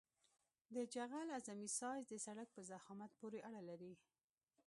د جغل اعظمي سایز د سرک په ضخامت پورې اړه لري